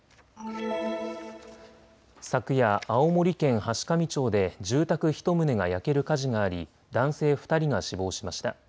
昨夜、青森県階上町で住宅１棟が焼ける火事があり男性２人が死亡しました。